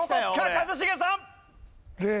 一茂さん！